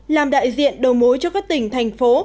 làm đại diện đầu mối cho các tỉnh thành phố